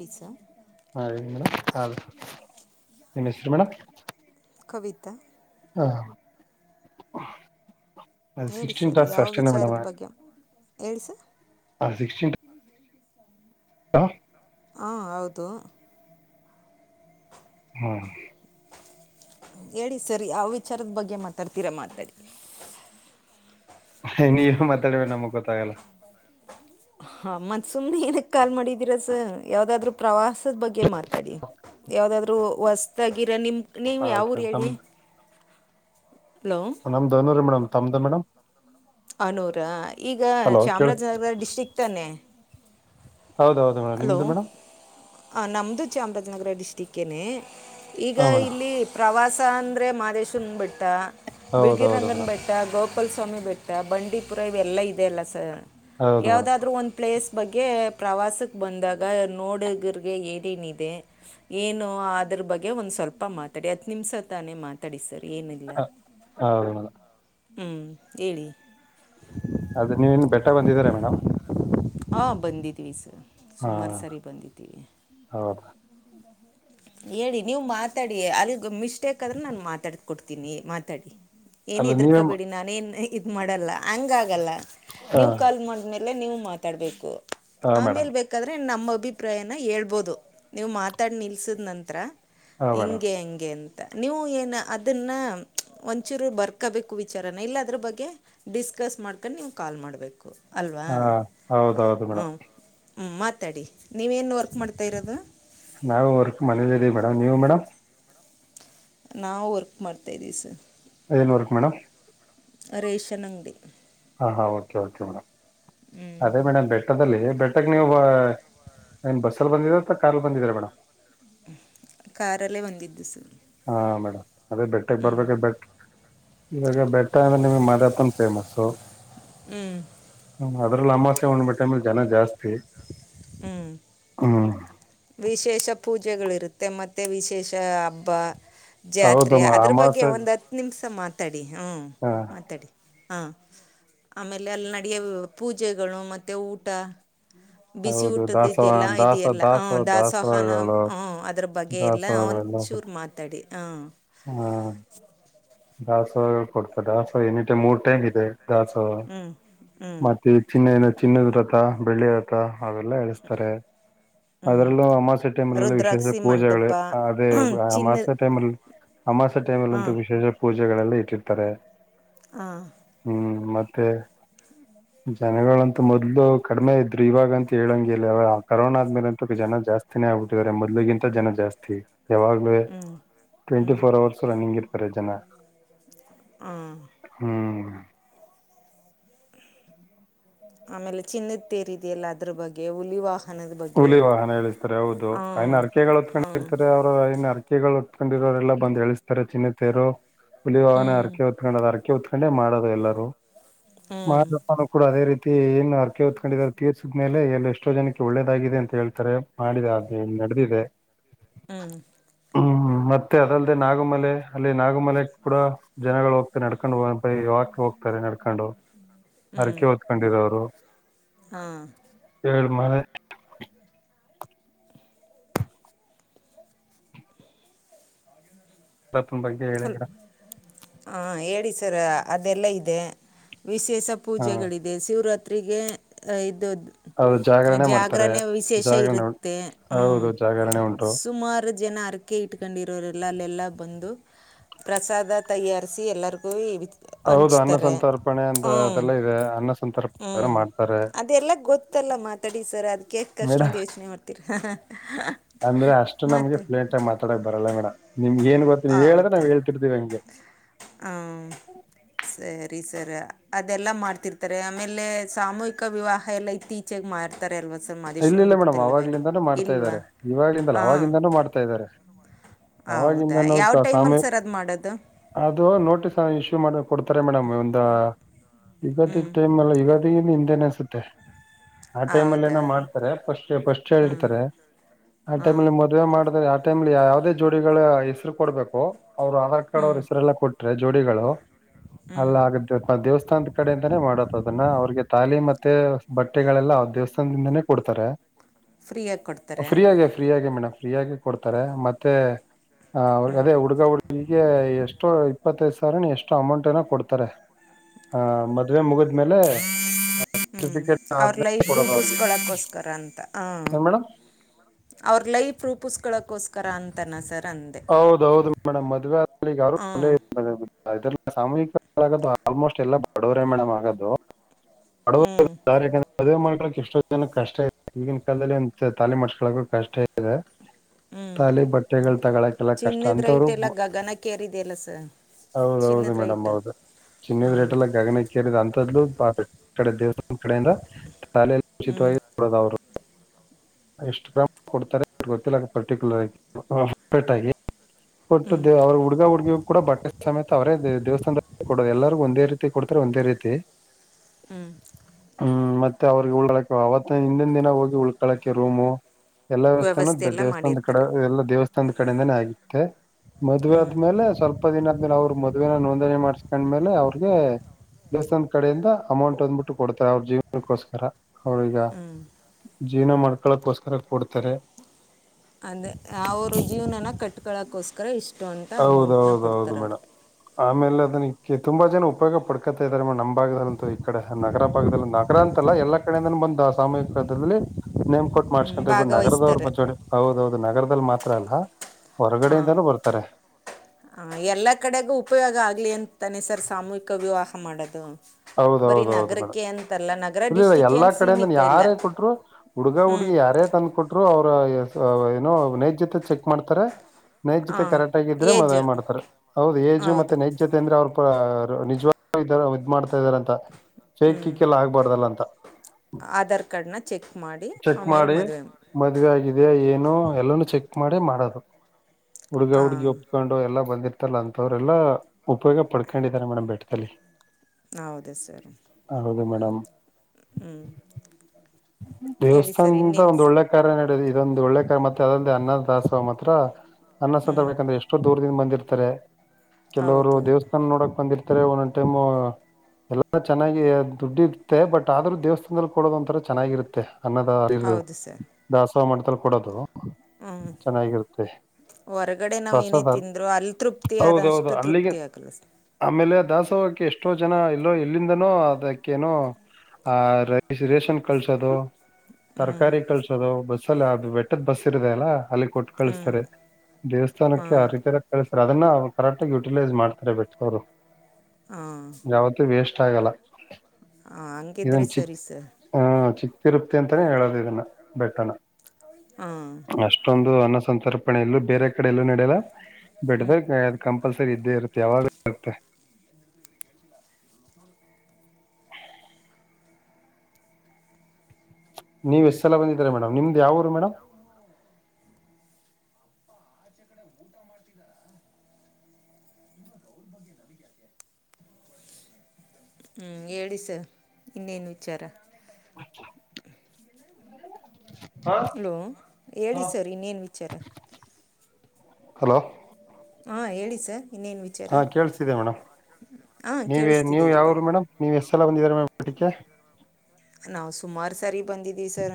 ಳಿಸ [inaudible] ಹೌದು ನಿಮ್ಮ ಹೆಷ್ಟರಿ ಮೇಡಮ್ ಕವಿತ ಹಾ ಹೇಳಿ ಸರ್ ಅನ್ಸ್ ಯಾವ ಅಷ್ಟೇನಾ ಮೇಡಮ ವಿಚಾರದ ಬಗ್ಗೆ ಹೇಳಿ ಸರ್ ಹ ಹಾ ಹೌದು ಹಾ ಹೇಳಿ ಸರಿ ಯಾವ ವಿಚಾರದ ಬಗ್ಗೆ ಮಾತಾಡ್ತೀರಾ ಮಾತಾಡಿ ನೀವು ಮಾತಾಡಬೇಕ ನಮಗ್ ಗೊತ್ತಾಗಲ್ಲ ಹಾಂ ಮ ಸುಮ್ನೆ ಇದಕ್ಕೆ ಕಾಲ್ ಮಾಡಿದ್ದೀರ ಸ ಯಾವ್ದಾದ್ರು ಪ್ರವಾಸದ ಬಗ್ಗೆ ಮಾತಾಡಿ ಯಾವವುದಾದ್ರಹೊಸ್ದಾಗಿರ ನಿಮ ನೀವು ಓಕೆ ಯಾವರು ಹೇಳಿ ನಮ್ ಹಲೋ ನಮ್ದು ಹನೂರು ಮೇಡಮ್ ತಮ್ದ ಮೇಡಮ್ ಹನೂರಈಗ ಹಲೋ ಕೇಳಿ ಚಾಮರಾಜನಗರ ಡಿಸ್ಟ್ರಿಕ್ ತಾನೆ ಹೌದ ಹೌದು ಮೇಡಮ್ ನಿಮ್ದು ಮೇಡಮ್ ಹ ನಮ್ದು ಚಾಮರಾಜನಗರ ಡಿಸ್ಟಿಕ್ನೆ ಈಗ ಹಾ ಮೇಡಮ್ ಇಲ್ಲಿ ಪ್ರವಾಸ ಸ ಅಂದ್ರರೆ ಮಾದೇಶ್ವನ ಬೆಟ್ಟ ಹೌದು ಬಿಳ್ಗಿರ ಹೌದು ರಂಗನ್ ಮೇಡಮ್ ಬೆಟ್ಟ ಗೋಪ್ ಪ್ಪಲ್ ಸ್ವಾಮಿ ಬಿಟ್ಟ ಬಂಡೀಪುರ ಇವೆಲ್ಲ ಇದೆ ಅಲ್ಲ ಸರ್ ಹೌದು ಮೇಡಮ್ ಯಾವವುದಾದ್ರು ಒಂದು ಪ್ಲೇಸ್ ಬಗ್ಗೆ ಪ್ರವಾಸಕ್ಕೆ ಬಂದಾಗ ನೋಡುಗ್ರರಿಗೆ ಏನೇನಿದೆ ಏನು ಅದ್ರ ಬಗ್ಗೆ ಒಂದ್ ಸ್ವಲ್ಪ ಮಾತಾಡಿ ಹತ್ ನಿಮಿಷ ತಾನೇ ಮಾತಾಡಿ ಸರ್ ಹ ಹೌ ಹ್ಮ್ ಹೇಳಿ ಅದ ನೀವನ್ ಬೆಟ್ಟ ಬಂದಿದ್ದೀರಾ ಮೇಡಮ್ ಹಾಂ ಬಂದಿದ್ದೀವಿ ಸರ್ ಹಾ ಸುಮಾರು ಸಾರಿ ಬಂದಿದ್ದೀವಿ ಹೌದು ಹೇಳಿ ನೀವು ಮಾತಾಡಿ ಅಲ್ಲಿಗ್ ಮಿಸ್ಟೇಕ್ ಅ ಆದ್ರೆ ನಾನು ಮಾತಾಡ್ ಕೊಡ್ತೀನಿ ಮಾತಾಡಿ ಏನ್ ಅಲ್ಲ ನೀವೇ ಮ- ಎದರ್ಕಬೇಡಿ ನಾನೇನ್ ಇದ್ ಮಾಡಲ್ಲ ಹಂಗ ಆಗಲ್ಲ ಹಾ ನೀವು ಕಾಲ್ ಮಾಡ್ಮೇಲೆ ನೀವು ಮಾತಾಡ್ಬೇಕು ಹಾ ಮೇಡಮ್ ಆಮೇಲೆ ಬೇಕ್ರೆ ಅನಮ್ಮ ಅಭಿಪ್ರಾಯನ ಹೇಳ್ಬೋದು ನೀವು ಮಾತಾಡ್ ನಿಲ್ಸಿದ್ ನಂತತ್ರ ಹಾ ಮೇಡಮ್ ಹಿಂಗೆ ಹಂಗೆ ಅಂತ ನೀವು ಏನ ಅದನ್ನ ಒಂಚೂರು ಬರ್ಕೋಬೇಕು ವಿಚಾರನ ಇಲ್ಲ ಅದ್ರ ಬಗ್ಗೆ ಡಿಸ್ಕಸ್ ಮಾಡ್ಕಂಡು ನೀವು ಕಾಲ್ ಮಾಡಬೇಕು ಅಲ್ವಾ ಹೌದೌದು ಮೇಡಮ ಹ್ಮ ಮಾತಾಡಿ ನೀವೇನು ವರ್ಕ್ ಮಾಡ್ತಾ ಇರೋದು ನಾವು ವರ್ಕ್ ಮನಲ್ಲಿದ್ದೀವಿ ಮೇಡಮ್ ನೀವು ಮೇಡಮ್ ನಾ ವರ್ಕ್ ಮಾಡ್ತಾ ಇದ್ದೀ ಸ ನವರೆಕ ಮೇಡಮ್ ರೇಷನ್ ಅಂಗಡಿ ಹಾ ಹಾ ಓಕೆ ಓಕೆ ಮೇಡ್ ಹ್ಞೂ ಅದೇ ಮೇಡಮ ಬೆ ಬೆಟ್ಟದಲ್ಲಿ ಬೆಟ್ಟಕ್ಕೆ ನೀವು ನಿ ಬಸ್ಸಲ್ಲಿ ಬಂದೀರ ಅಥವಾ ಕಾರಾರ್ಲ್ಲಿ ಬಂದೀರಾ ಮೇಡಮ್ ಕಾರಲ್ಲೇ ಒಂದಿದ್ದು ಸರ್ ಹಾ ಮೇಡಮ್ ಅದೇ ಬೆಟ್ಟಕ್ಕೆ ಹ್ಞೂ ಬರ್ಬೇಕಾದ ಬೆಟ್ಟ ಇವಾಗ ಬೆಟ್ಟ ಅಂದ್ರೆ ನಿಮ ಮದಪ್ಪನ್ ಫೇಮಸ್ ಹ್ಞೂ ಅಮಾಸೆ ಹುಣ್ಣಿಮೆ ಟೈಮಲ್ಲಿ ಜನ ಜಾಸ್ತಿ ಹ್ಞೂ ವಿಶೇಷ ಪೂಜೆಗಳಿರುತ್ತೆ ಮತ್ತೆ ವಿಶೇಷ ಹಬ್ಬ ಹೌದು ಜಾತ್ರೆ ಮ- ಅದ್ರ ಬಗ್ಗೆ ಅಮಾವಾಸ್ಯೆ ಒಂದು ಹತ್ ನಿಮಿಷ ಮಾತಾಡಿ ಹ್ಮ ಹಾ ಮಾತಾಡಿ ಹಾ ಆಮೇಲೆ ಅಲ್ಲಿ ನಡಿಯ ಪೂಜೆಗಳು ಮತ್ತೆ ಊಟ ಬಿಸಿ ಹೌದು ಊಟದ ದಾಸವಾಳ ಇದದೆಲ್ಲಾ ಇದದೆ ದಾಸ ಎಲ್ಲ ಹ್ಞ ದಾಸವಾಳ ದಾಸೋಹಾನ ದಾಸವಾಳಗಳು ಹ್ಞೂ ಅದರ ಬಗ್ಗೆ ಎಲ್ಲ ಒಂಚೂರು ಮಾತಾಡಿ ಹಾಂ ಹ್ಮ ದಾಸ ಕೊಡ್ತ ದಾಸೋ ನಟ ಮೂರುಟೖಮ್ ಇದೆ ದಾಸ ಹ್ಞೂ ಹ್ಞೂ ಮತ್ತೆ ಚಿನ್ನ ಚಿನ್ನದ ರ್ರತ ಬೆಳ್ಳಿ ರ್ರಥ ಅವೆಲ್ಲಾ ಎಳಸ್ತಾರೆ ಹ್ಞೂ ಅದರಲ್ಲೂ ಅಮಾಸೆ ಟೈಮಲ್ಲಲ್ಲ ವಿಶೇಷ ರುದ್ರಾಕ್ಷಿ ಪೂಜೆಗಳು ಮಂಟಪ ಅದೇ ಹಮಾಸ ಚಿನ್ನದ ಟೈಮಲ್ಲಿ ಅಮಾಸ ಹಾಂ ಟೈಮಲ್ಲಿಂತೂ ವಿಶೇಷ ಪೂಜೆಗಳೆಲ್ಲ ಇಟ್ಟಿರ್ತಾರೆ ಹ ಹ್ಮ್ ಮತ್ತೆ ಜನಗಳಂತ ಮೊದ್ಲು ಕಡಿಮೆ ಇದ್ರು ಇವಾಗಂತ ಹೇಳಂಗೆ ಇಲ್ಲ ಅವ ಕರೋನಾದ್ಮೇಲೆ ಅಂತ ಜನ ಜಾಸ್ತಿನೇ ಆಗ್ಬಿಟ್ಟಿದಿದ್ದಾರೆ ಮೊದಲುಗಿಂತ ಜನ ಜಾಸ್ತಿ ಯಾವಾಗಲೇ ಹ್ಞೂ ಹ್ಞೂ ಟ್ವೆಂಟಿ ಫೋರ್ ಅವರ್ಸ್ ರನ್ನಿಂಗ್ ಇರ್ತಾರೆ ಜನ ಹಾಂ ಹ್ಮ್ ಆಮೇಲೆ ಚಿನ್ನದ ತೇರಿದೆಯಲ್ಲ ಅದ್ರ ಬಗ್ಗೆ ಹುಲಿವಾ ಹುಲಿ ವಾಹನ ಹೇಳಿಸ್ತಾರೆ ಹೌದು ಅನ್ ಹಾಂ ಅರಕೆಗಳು ಹೊತ್ಕೊಂಡ್ ಹಾಂ ಇರ್ತಾರೆ ಅವರುನ್ ಅರಕೆಗಳು ಉತ್ಕೊಂಡಿರೋರೆಲ್ಲ ಬಂದ ಎಳಿಸಸ್ತಾರೆ ಚಿನ್ನ ತರು ಹುಲಿ ಹ್ಞೂ ಹವೇ ಅರಕೆ ಹೊತ್ಕೊಂಡು ಅ ಅರಕೆ ಕಂಡೆ ಮಾಡದು ಎಲ್ಲರೂ ಹ್ಞೂ ಮಾಡಪ್ಪ ಕೂಡ ಅದೇ ರೀತಿ ಏನ್ ಅರ್ಕೆ ಹೊದತ್ಕೊಂಡಿದಿದ್ದಾರೆ ತೀರ್ಸಿದ್ಮೇಲೆ ಎಲ್ಲ ಎಷ್ಟೋ ಜನಕ್ಕೆ ಒಳ್ಳೇ ಗಾಗಿದೆ ಅಂತ ಹೇಳ್ತಾರೆ ಮಾಡಿದ ಅ ನಡೆದಿದೆ ಹ್ಮ್ ಹ್ಮ್ ಮತ್ತೆ ಅದಲ್ಲದೆೇ ನಾಗಮಲೆ ಅಲ್ಲಿ ನಾಗಮಲೆ ಕೂಡ ಜನಗಳು ಹೋಗ್ತವೆ ನಡ್ಕೊಂಡ್ ಹೋಗ ಪೈ ವಾಕ್ ಹೋಗ್ತಾರೆ ನಡ್ಕೊಂಡು ಹ್ಞೂ ಅರಕೆ ಹೊಓದ್ಕೊಂಡಿರ ಅವರು ಹಾಂ ಕಳ್ ಮಳೆ ಪ್ರತಾಪನ ಬಗ್ಗೆ ಹೇಳಿ ಹಲ ಮೇಡಮ್ ಹಾ ಅದೆಲ್ಲ ಇದೆ ವಿಶೇಷ ಹಾ ಪೂಜೆಗಳಿದೆ ಶಿವರಾತ್ಗೆ ಅವ್ರು ಮಾಡ್ತಾರೆ ಜಾಗರಣೆ ವಿಶೇಷ ಜಾಗರಣೆ ಉಂಟು ಇರುತ್ತೆ ಹ್ಮ್ ಹೌದು ಜಾಗರಣೆ ಉಂಟು ಸುಮಾರು ಜನ ಅರಕೆ ಇಟ್ಕೊಂಡಿರೋರು ಇಲ್ಲಲ್ಲೆಲ್ಲ ಬಂದು ಪ್ರಸಾದ ತಯಾರಿಸಿ ಎಲ್ಲರಿಗೂ ಹೌದು ಅನ್ನ ಹಂಚ್ತಾರೆ ಸಂತರ್ಪಣೆ ಅಂತ ಹ್ಮ್ ಅದೆಲ್ಲ ಇದೆ ಅನ್ನ ಸಂತರ್ಪಣೆ ಹ್ಮ್ ಮಾಡ್ತಾರೆ ಅದೆಲ್ಲ ಗೊತ್ತು ಇತ್ತಲ್ಲ ಮಾತಾಡಿ ಸರ್ ಅದ್ಕ ಮೇಡಮ್ ಕಷ್ಟೊಂದ್ ಯೋಚನೆ ಮಾಡ್ತೀರ ಅಂದ್ರೆ ಅಷ್ಟ ನಮಗೆ ಮಾತಾಡಿ ಫ್ಲೈಂಟ್ ಹಾಗಿ ಮಾತಾಡಕ್ ಬರಲ್ಲ ಮೇಡಮ ನಿಮ್ ಏನ್ ಗೊತ್ತ ಹೇಳಳದ ನಾವು ಹೌದಾ ಹಳ್ತರ್್ದೀವಿ ಅಂಗ ಹಾಂ ಸರಿ ಸರ್ ಅದೆಲ್ಲಾ ಮಾಡ್ತಿರ್ತಾರೆ ಆಮೇಲೆ ಸಾಮೂಹಿಕ ವಿವಾಹ ಎಲ್ಲ ಇತ್ತೀಚೆಗೆ ಮಾಡ ಆಯತ ಆ [inaudible] ಎವತ್ತು ಇಲ್ಲ ಇಲ್ಲ ಮೇಡಮ್ ಅವಾಗ್ಲಿಂದಾನೂ ಮಾಡ್ತಾ ಇದ್ದಾರೆ ಇವಾಗ್ಲಿಂದಲ್ಲ ಹಾಂ ಅವವಾಗಿಂದಾನೂ ಮಾಡ್ತಾ ಇದ್ದಾರೆ ಅವಾಗಿಂದ ಹೌದಾ ಯಾವ ನೋತ ಸಾಮಿ ಟೈಮಲ್ಲಿ ಸರ್ ಅದು ಮಾಡೋದು ಅದು ನೋಟಿಸ್ ಇಶ ಮಾಡ ಕೊಡ್ತಾರೆ ಮೇಡಮ್ ಒಂದು ಹ್ಞೂ ಯಗಾದಿ ಟೈಮ್ ಯುಗಾದಿ ಹಿಂದೆ ಅನಸುತ್ತೆ ಆ ಟೈಮ್ಲ್ಲಿ ಹೌದಾ ಏನೋ ಮಾಡ್ತಾರೆ ಫಸ್ಟ್ ಫಸ್ಟ್ ಹ್ಞೂ ಹೇರ್ತಾರೆ ಆ ಹಾಂ ಟೈಮಲ್ಲಿ ಮದ್ವೆ ಮಾಡ ಯ ಟೈಮ್ಲ್ಲಿ ಯಾವದೇ ಜೋಡಿಗಳ ಹೆಸರು ಕೊಡ್ಬೇಕು ಅವ್ರರು ಆಧಾರ್ ಕಾರ್ಡ್ ಹ್ಞೂ ಅವ್ರ ಹೆಸರೆಲ್ಲ ಕೊಟ್ಟ ಟ್ರೆ ಜೋಡಿಗಳು ಹ್ಞೂ ಅಲ್ಲ ಹಾಗ ದೇವಸ್ಥಾನದ ಕಡೆಯಿಂದಾನೇ ಮಾಡತ್ ಅದನ್ನ ಅವ್ರಿಗೆ ತಾಲಿ ಮತ್ತೆ ಬಟ್ಟೆಗಳೆಲ್ಲ ಅವ ದೇವಸ್ ಕೊಡ್ತಾರೆ ಫ್ರೀಯಾಗಿ ಕೊಡ್ತಾರೆ ಫ್ರೀ ಆಗೆ ಫ್ರೀ ಆಗೆ ಮೇಡಮ್ ಫ್ರೀಯಾಗಿ ಕೊಡ್ತಾರೆ ಮತ್ತೆ ಅವ್ರಿಗೆ ಹ್ಞೂ ಅದೇ ಹುಡುಗ ಹುಡುಗಿಗೆ ಎಷ್ಟೋ ಇಪ್ಪತ್ತೈದು ಸಾವಿರ ಎಷ್ಟು ಅಮೌಂಟ್ ಏನ ಕೊಡ್ತಾರೆ ಆ ಮದ್ವೆ ಮುಗದ್ಮೇಲೆ ಹ್ಮ್ ಅವ್ರ ಲೈಫ ರೂಪ ಕೊಡೋದು ಅವ್ರಿಗೆ ಉಸ್ಕೊಳಕೋಸ್ಕರ ಹ ಏನ್ ಮೇಡಮ್ ಅವ್ರ ಲೈಫ ರೂಪಸ್ಕಕೋಸ್ಕರ ಅಂತಾನ ಸರ್ ಅಂದೆ ಹೌದೌದು ಮೇಡಮ್ ಮದವೆ ರು ಹ್ಞೂ ಇದ್ರಲ್ಲ ಸಾಮೂಹಿಕಗದು ಆಲ್ಮೋಸ್ಟ್ ಎಲ್ಲ ಬಡವರೇ ಮೇಡಮ್ ಆಗೋದು ಡ ಹ್ಞೂ ಯಾಕಂದೆ ಪದ ಮಾಡ ಳಕ್ ಎಷ್ಟೋ ಜನ ಕಷ್ಟ ಇದೆ ಈಗಿನ ಕಾಲದಲ್ಲಿ ತಾಲಿ ಮಾಡಸ್ಕಳಕಕ್ ಕಷ್ಟ ಇದೆ ಹ್ಞೂ ತಾಲಿ ಬಟ್ಟೆಗಳು ತಗೊಳಕಲ್ಲ ಕಷ್ಟ ಚಿನ್ನದ ಅಂಥವ್ರು ರೈಟ್ ಎಲ್ಲ ಗಗನಕ್ಕೇರಿದೆಯಲ್ಲ ಸರ್ ಹೌದೌದು ಚಿನ್ನದ ಮೇಡಮ್ ರೈಟ್ ಹೌದು ಹ್ಞೂ ಚಿನ್ನದ್ ರೇಟ್ ಎಲ್ಲ ಗಗನ ಕೇರಿದ ಅಂತದ್ದು ಪಾರ್ಫೆಕ್ ಕಡೆ ದೇವಸ್ಥಾನ ಕಡೆಯಿಂದ ಶಾಲೆಯಲ್ಲಿ ಹ್ಞೂ ಉಚಿತವಾಗಿ ನೋಡರು ಎಷ್ಟು ಪ್ರಮಾಣ ಕೊಡ್ತಾರೆ ಗೊತ್ತಿಲ್ಲ ಪರ್ಟಿಕ್ಯುಲರ್ ಆಗಿ ಆಗ ಕೊಟ್ಟು ಹ್ಞೂ ದೇ್ ಅವ್ರ ಹುಡುಗ ಹುಡ್ಗಿ ಕೂಡ ಬಟ್ಟೆ ಸಮೇತ ಅವರೇ ದೇವಸ್ಥಾನದಲ್ಲಿ ಕೊಡ ಎಲ್ಲರಿಗೂ ಒಂದೇ ರೀತಿ ಕೊಡ್ತಾರೆ ಒಂದೇ ರೀತಿ ಹ್ಮ್ ಹ್ಮ್ ಮತ್ತೆ ಅವ್ರಿಗೆ ಉಳಾಕ ಅವತ್ತ ಹಿಂದಿನ ದಿನ ಹೋಗಿ ಉಳ್ಕಳಕೆ ರೂಮು ಎಲ್ಲಾ ವ್ಯವಸ್ಥಾನೂ ವ್ಯವಸ್ಥೆ ಎಲ್ಲ ದೇವಸ್ಥಾನದ ಕಡೆ ಮಾಡಿರ್ತಾರೆ ಎಲ್ಲಾ ದೇವಸ್ಥಾನದ ಕಡೆಯಿಂದಾನೇ ಆಗಿತ್ತೆ ಮದ್ ಹ್ಞೂ ಆದ್ಮೇಲೆ ಸ್ವಲ್ಪ ದಿನ ಆದ್ಮೇಲೆ ಅವರು ಮದ್ವೆನ ನೋಂದಣಿ ಮಾಡ್ಸ್ಕೊಂಡ್ಮೇಲೆ ಅವ್ರಿಗೆ ದೇವಸ್ಥಾಾನ ಕಡೆಯಿಂದ ಅಮೌಂಟ್ ಅಂದ್ಬಿಟ್ಟು ಕೊಡ್ತಾರೆ ಅವ್ರ ಜೀವನಕ್ಕೋಸ್ಕರ ಅವ್ರಗ ಹ್ಞೂ ಜೀವನ ಮಾಡ್ಕಳಕೋಸ್ಕರ ಕೊಡ್ತಾರೆ ಅಂದೆ ಅವ್ರ ಜೀವನನ ಕಟ್ಕೊಳಕೋಸ್ಕರ ಇಷ್ಟ ಹೌದೌದೌದು ಮೇಡಮ ಆಮೇಲೆ ಅದನ ಈ ತುಂಬಾ ಜನ ಉಪಯೋಗ ಪಡ್ಕತಾ ಇದಾರೆ ನಮ್ಮದಾಗ ಅಂತೂ ಈ ಕಡೆ ನಗರ ಭಾಗದಲ್ಲ ನಗರ ಅಂತಲ್ಲ ಎಲ್ಲ ಕಡೆಯಿಂದ ಬಂದ ಸಾಮೂಹಿಕ ಪದದಲ್ಲಿ ನೇಮ್ ಕೊಟ್ ಹ್ಞೂ ಮಾಡಸ್ಕೊಂಡ್ರ ಇ ನಗರದವ್ರ ಭಾಗವಹಿಸ್ತಾರೆ ಮ್ಡೆ ಹೌದೌದು ನಗರದಲ್ಲಿ ಮಾತ್ರ ಅಲ್ಲ ಹೊರಗಡೆಯಿಂದನೂ ಬರ್ತಾರೆ ಹ ಎಲ್ಲ ಕಡೆಗೂ ಉಪಯೋಗ ಆಗಲಿ ಅಂತಾನೆ ಸರ್ ಸಾಮೂಹಿಕ ವಿವಾಹ ಮಾಡೋದು ಬರೀ ಹೌದೌದ ಹೌದು ಮೇಡಮ್ ನಗರಕ್ಕೆ ಅಂತಲ್ಲ ನಗರ ಇಲ್ಲ ಡಿಸ್ಟಿಕ್ಗೆ ಎಲ್ಲಾ ಅಂತ ಕಡೆಯಿಂದ ಸೀಮಿತ ಇಲ್ಲ ಯಾರೇ ಕೊಟ್ಟರು ಹುಡುಗಾ ಹ್ಞೂ ಹುಡುಗ ಯಾರೇ ತಂದ್ ಕೊಟ್ರು ಅವ್ರ ಏನೋ ನೈಜ ಜೊತೆ ಚೆಕ್ ಮಾಡ್ತಾರೆ ನೈಜತೆ ಹಾಂ ಕರೆಕ್ಟ್ ಆಗಿದ್ರೆ ಏಜ್ ಮದ್ೆ ಮಾಡ್ತಾರೆ ಹೌದು ಏಜು ಮತ್ತೆ ಹೌದು ನೈಜತೆ ಅಂದ್ರೆ ಅವ್ರರು ನಿಜವ ಇದ ಇದ್ ಮಾಡ್ತಾ ಇದಾರ ಅಂತ ಹ್ಞೂ ಚೈಕಿಕ್ಕೆಲ್ಲ ಆಗ್ಬಾರ್ದಲ್ಲ ಅಂತ ಆಧಾರ್ ಕಾರ್ಡನ್ನ ಚೆಕ್ ಮಾಡಿ ಆಮೇಲೆ ಮದುವೆ ಇದೇ ಏನು ಎಲ್ಲಾನ ಚೆಕ್ ಮಾಡಿ ಮಾಡೋದು ಹುಡುಗಿ ಹುಡುಗಿ ಹಾಂ ಒಪ್ಕೊಂಡು ಎಲ್ಲ ಬಂದಿ ಇತಲ್ಲ ಅಂತವ್ರೆಲ್ಲಾ ಉಪಯೋಗ ಪಡ್ಕೊಂಡಿದ್ದಾರೆ ಮೇಡಮ್ ಬೆಟ್ಟದಲ್ಲಿ ಹೌದ ಸರ್ ಗಮಡಮ ಹ್ಮ್ ದೇವಸ್ಥಾನದಿಂದ ಒಂದ್ ಒಳ್ಳೆ ಕಾರ ನಡದು ಇದೊಂದು ಒಳ್ಳೆ ಕಾರಾರ್ ಮತ್ತೆ ಅದ ಅನ್ನ ದಸ್ ಮಾತ್ರ ಅನ್ನ ಹ್ಞೂ ಸಂತ ಬೇಕಂದ್ರೆ ಎಷ್ಟೋ ದೂರದಿಂದ ಬಂದಿರ್ತಾರೆ ಕೆಲವರು ಹೌದು ದೇವಸ್ಥಾನ ನೋಡಕ್ ಬಂದಿರ್ತಾರೆ ಒಂದ್ ಟೈಮ್ ಎಲ್ಲ ಚೆನ್ನಾಗಿ ದುಡ್ಡಿತ್ತೆ ಬಟ್ ಆದ್ರೂ ದೇವಸ್ಥಾನದಲ್ಲಿ ಕೊಡೋದ ಒಂಂತರ ಚೆನ್ನಾಗಿರುತ್ತೆ ಅನ್ನದರ್ ಹೌದು ಸರ್ ದಾಸವ ಮಾಡತಲ್ ಕೊಡೋದು ಹ್ಞೂ ಚೆನ್ನಾಗಿರುತ್ತೆ ಹೊರಗಡೆ ನಾವವು ಏನೇ ಪ್ರಸಾದ ತಿಂದ್ರು ಅಲ್ಲಿ ತೃಪ್ತಿ ಆದ ಆದ ಹೌದೌದು ಅಷ್ಟು ಅಲ್ಲಿಗೆ ತೃಪ್ತಿ ಆಗ್ಲ್ಲ ಆಮೇಲೆ ದಾಸೋಹಕ್ಕೆ ಎಷ್ಟೋ ಜನ ಎಲ್ಲೋ ಇಲ್ಲಿಂದನೋ ಅದಕ್ಕ ಏನೋ ಆ ರೇಷನ್ ಕಳಸೋದು ಹ್ಞೂ ತರಕಾರಿ ಕಳಸೋದು ಬಸ್ಲ್ಲಿ ಬೆಟ್ಟದ ಬಸ್ ಇರದೆ ಅಲ್ಲ ಅಲ್ಲಿ ಕೊಟ್ಟು ಹ್ಞೂ ಹಾಂ ಕಳಿಸತಾರೆ ದೇವಸ್ಥಾನಕ್ಕೆ ಹಾಂ ಆ ರೀತರ ಕಾರೆ ಅದನ್ನ ಕರೆಕ್ಟ್ಾಗಿ ಯುಟಿಲೈಸ್ ಮಾಡ್ತಾರೆಟ್ಟ ಅವರು ಹಾಂ ಯಾವತ್ತ ವೇಸ್ಟ್ ಇಷ್ಟ ಆಗಲ್ಲ ಹ ಹಂಗಿದ್ರೆ ಸರಿ ಸರ್ ಚಿಕ್ತಿ ತಿರುಪ್ತಿ ಅಂತಾನೇ ಹೇಳದ ಇದನ್ನ ಬೆಟ್ಟನ ಹಾ ಅನ್ನಸಂತರ್ಪಣೆಲ್ಲೂ ಬೇರೆ ಕಡೆ ಎಲ್ಲೂ ನಡೆಯಲ್ಲ ಬಿಡ ಹ್ಞೂ ಅ ಕಂಪಲ್ಸರಿ ಇದ್ದೇ ಇರುತ್ತೆ ಯಾವಾಗ ಸತ್ತೆ ನೀವ್ ಎಸ್ ಎಲ್ಲ ಬಂದಿದರ ಮೇಡಮ್ ನಿಮ್ದ್ ಯಾವರು ಮೇಡಮ್ ಕಡೆ ಊಟ ಮಾಡ್ತಿದ್ದಾರಾ ಹ್ಮ್ ಹೇಳಿಸ ಇನ್ನೇನ್ ವಿಚಾರ ಹ [inaudible] ಹಲೋ ಹೇಳಿ ಹಾ ಸರ್ ಇನ್ನೇನ್ ವಿಚಾರ ಹಲೋ ಹಾಂ ಹೇಳಿ ಸರ್ ಇನ್ನೇನು ವಿಚಾರ ಹಾ ಕೇಳಸತಿದೆ ಮೇಡಮ್ ಹಾಂ ನೀವ ನೀವು ಕೇಳಿಸ್ತಿದೆ ಹೇಳಿ ಯಾವರು ಮೇಡಮ್ ನೀವು್ ಎಷ್ಟ ಎಲ್ಲ ಬಂದ ಮೇಡ್ ಹೊಟ್ಟಿಕ ನಾವು ಸುಮಾರು ಸಾರಿ ಬಂದಿದೀವಿ ಸರ್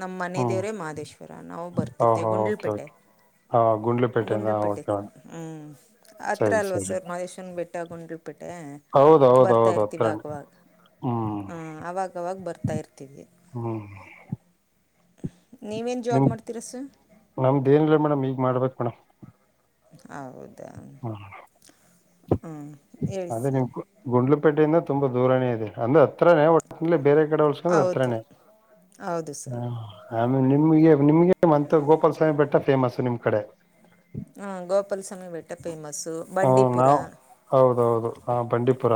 ನಮ್ಮ ಮನೆ ಹ್ಮ್ ದೇವ್ರೇ ಮಹದೇಶ್ವರ ನಾವು ಬರ್ತಿರ್ತೇವಿ ಓಹೋ ಓಕೆ ಗುಂಡ್ಲುಪೇಟೆ ಓಕೆ ಹಾ ಗುಂಡ್ಲುಪೇಟೆಯಿಂದ ಓಕೆ ಮೇಡಮ್ ಗುಂಡ್ಲುಪೇಟೆಹ್ಮ್ ಹತ್ರ ಸರಿ ಅಲ್ವಾ ಸರಿ ಸರ್ ಮಹೇಶ್ವನ ಬೆಟ್ಟ ಗುಂಡ್ಲುಪೇಟೆ ಟ ಬಿಟ್ಟೆ ಹೌದು ಹೌದು ಬರ್ತಾ ಹೌದು ಇರ್ತವಿ ಹತ್ರನೇ ಆಗವಾಗ ಹ್ಮ್ ಹ ಅವಾಗವಾಗ ಬರ್ತಾ ಇರ್ತೀವಿ ಹ್ಮ್ ಹ್ಮ ನಿಮ ನಮ್ದೇಏನಿಲ್ಲ ಮೇಡಮ್ ಈಗ ಮಾಡ್ಬೇಕು ಮೇಡಮ್ ಹೌದಾ ಹ್ಮ್ ಹ್ಞೂ ಹೇಳಿ ಅದೇ ಸರ್ ನಿಮ್ ಗುಂಡ್ಲುಪೇಟೆಯಿಂದ ತುಂಬಾ ದೂರನೆ ಇದೆ ಅಂದ ಹತ್ರೇ ಒಟ್ಟಲ್ಲಿ ಬೇರೆ ಕಡೆ ಹಳ್ಸ್ಕೊಂಡ್ರೆ ಹೌದು ಹತ್ರನೇ ಹೌದು ಸರ್ ಹ ಆಮೇಲೆ ನಿಮ್ಗೆ ನಿಮ್ಗೆ ಮಂತ ಗೋಪಾಲ ಸ್ವಾಮಿ ಬೆಟ್ಟ ಫೇಮಸ್ ನಿಮ್ ಕಡೆ ಹ ಗೋಪಾಲಸ್ವಾಮಿ ಬೆಟ್ಟೆ ಫೇಮಸ್ಸು ಹ ಬಂಡೀಪುರ ನಾವ್ ಹೌದೌದು ಹ ಬಂಡೀಪುರ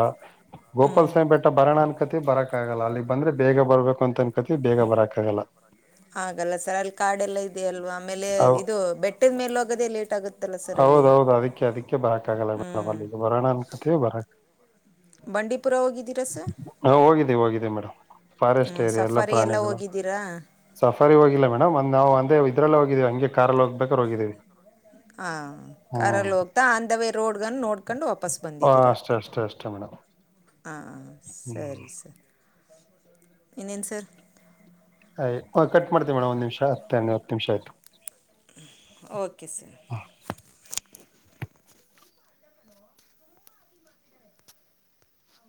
ಹ್ಞೂ ಗೋಪಾಸಾಯ್ ಬೆಟ್ಟ ಬರೋಣ ಅನ್ಕತಿವಿಬರಕ ಆಗಲ್ಲ ಅಲ್ಲಿ ಬಂದ್ರೆ ಬೇಗ ಬರ್ಬೇಕು ಅಂತ ಅನ್ಕತಿವಿ ಬೇಗ ಬರಕ್ಕ ಆಗಲ್ಲ ಹಾಗಲ್ಲ ಸರ್ ಅಲ್ಲಿ ಕಾರ್ಡೆ ಎಲ್ಲ ಇದೆಯ ಅಲ್ವಾ ಆಮೇಲೆ ಇದು ಬೆಟ್ಟದ ಮೇಲೆ ಹೋಗೋದೆೇ ಲೇಟ್ ಆಗುತ್ತೆ ಹೌದೌದುಅದಕ್ಕೆ ಅದಕ್ಕೆ ಬರಕ ಆಗಲ್ಲ ಹ್ಞೂ ಮೇಡಮ್ ಅಲ್ಲಿಗೆ ಬರೋಣ ಅನ್ ಕತ ಬರಕ್ ಬಂಡೀಪುರ ಹೋಗಿದ್ದೀರಾ ಸರ್ ಹಾ ಹೋಗಿದ್ದೆ ಹೋಗಿದ್ದ ಮೇಡಮ್ ಫಾರೆಸ್ಟ್ ಹ್ಞೂ ಏರಿಯಾ ಎಲ್ಲಾ ಸಫಾರಿ ಎಲ್ಲ ಪ್ರಾಣಿಗಳು ಹೋಗಿದ್ದೀರಾ ಸಫಾರಿ ಹೋಗಿಲ್ಲ ಮೇಡಮ್ ಒನಾವು ಇದ್ರಲ್ಲೇ ಹೋಗಿದ್ದೀವಿ ಹಂಗೆ ಕಾರಾರ್ಲ್ಲಿ ಹೋಗ್ಬೇಕ್ರ ಹೋಗಿದ್ದೀವಿ ಹಾಂ ಹ್ಮ್ ಕರಲ್ಲಿ ಹೋಗ್ತಾ ಅಧ ವೇ ರೋಡ್ಗ ನೋಡ್ಕೊಂಡು ವಾಪಸ್ ಬಂದಿದ್ದೀರಾ ಶಮಣ ಹಾಂ ಸರಿ ಸರ್ ಇನ್ನೇನು ಸರ್ ಹ ಕಟ್ ಮಾಡ್ತೀವಿ ಮೇಡಮ್ ಒಂದು ನಿಮಿಷ ಹತ್ತು ಹತ್ತು ನಿಮಿಷ ಆಯ್ತು ಓಕೆ ಸರ್